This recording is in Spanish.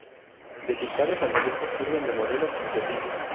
Dedicados al dibujo sirven de modelos entre sí.